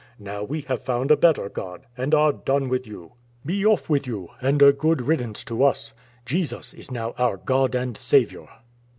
Now we have found a better God, and are done with you, 37 A MOnAM]\fEDAN MOB Be off with you, and a good riddance to us. Jesus is now our God and Saviour."